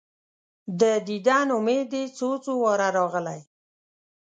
د دیدن امید دي څو، څو واره راغلی